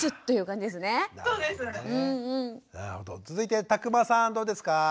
続いて田熊さんどうですか？